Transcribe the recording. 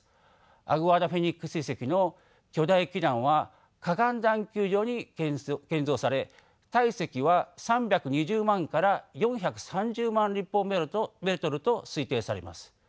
アグアダ・フェニックス遺跡の巨大基壇は河岸段丘上に建造され体積は３２０万から４３０万立方メートルと推定されます。